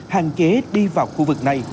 hạn chế đi vào khu vực này